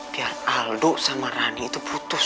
biar aldo sama rani itu putus